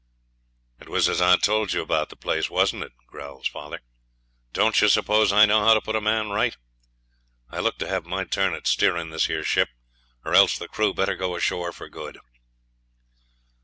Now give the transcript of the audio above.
'It was as I told you about the place, wasn't it?' growls father; 'don't you suppose I know how to put a man right? I look to have my turn at steering this here ship, or else the crew better go ashore for good.'